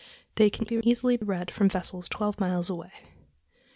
They can be easily read from vessels twelve miles away.